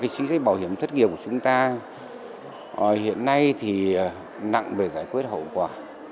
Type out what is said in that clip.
chính sách bảo hiểm thất nghiệp của chúng ta hiện nay nặng về giải quyết hậu quả